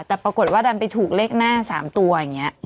แต่ปรากฏว่าดันไปถูกเลขหน้า๓ตัวอย่างนี้